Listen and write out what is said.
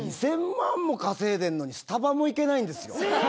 ２０００万も稼いでるのにスタバも行けないんですよ。